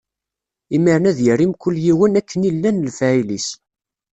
Imiren ad yerr i mkul yiwen akken i llan lefɛayel-is.